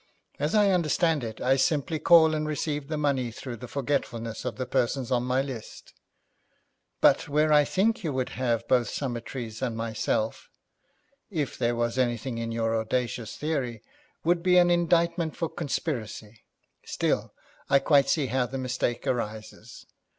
As I understand it, I simply call and receive the money through the forgetfulness of the persons on my list, but where I think you would have both Summertrees and myself, if there was anything in your audacious theory, would be an indictment for conspiracy. Still, I quite see how the mistake arises.